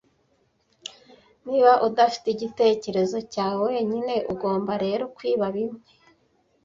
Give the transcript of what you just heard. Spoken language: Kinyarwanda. Niba udafite igitekerezo cyawe wenyine ugomba rero kwiba bimwe.